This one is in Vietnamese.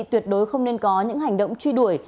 tuyệt đối không nên có những hành động truy đuổi